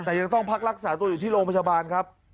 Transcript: แต่ยังต้องพักรักษาตัวอยู่ที่โรงพยาบาลครับ